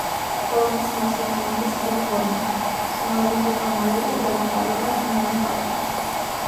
Collins nació en Venice, California, su madre fue camarera y trabajadora en una fábrica.